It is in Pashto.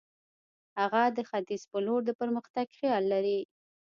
هغه د ختیځ پر لور د پرمختګ خیال لري.